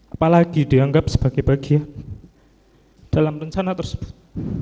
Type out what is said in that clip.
apalagi dianggap sebagai bagian dalam rencana tersebut